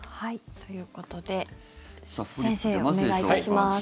ということで先生、お願いいたします。